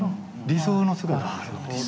理想の姿。